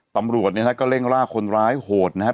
ตำรวจเนี่ยนะก็เร่งล่าคนร้ายโหดนะครับ